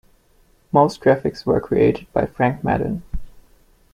Most graphics were created by Frank Maddin.